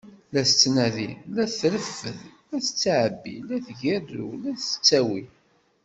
La tettnadi, la treffed, la tettɛebbi, la tgerrew, la tettawi.